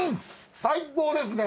最高ですね！